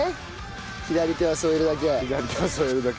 左手は添えるだけ。